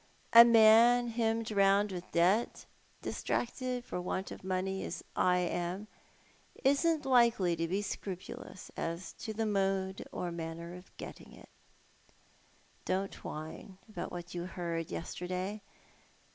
A man hemmed round with debt — distracted for want of money as I am— isn't likely to be scrupulous as to the mode and manner of getting it. Don't whine about what you heard yesterday.